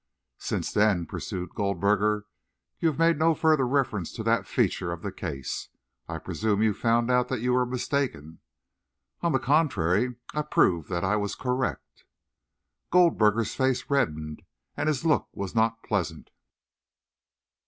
"Since then," pursued Goldberger, "you have made no further reference to that feature of the case. I presume you found out that you were mistaken?" "On the contrary, I proved that I was correct." Goldberger's face reddened, and his look was not pleasant.